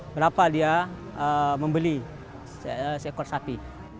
berapa dia membeli seekor sapi